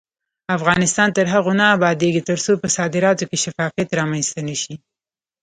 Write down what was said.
افغانستان تر هغو نه ابادیږي، ترڅو په صادراتو کې شفافیت رامنځته نشي.